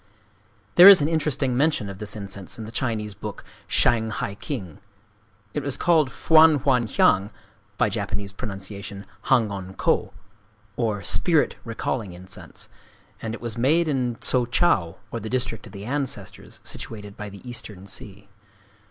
There is an interesting mention of this incense in the Chinese book, Shang hai king. It was called Fwan hwan hiang (by Japanese pronunciation, Hangon kō), or "Spirit Recalling Incense;" and it was made in Tso Chau, or the District of the Ancestors, situated by the Eastern Sea.